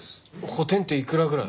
補填っていくらぐらい？